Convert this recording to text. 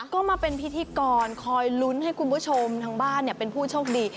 ก็มาเป็นพิธีกรคอยลุ้นให้คุณผู้ชมทางบ้านเป็นผู้โชคดี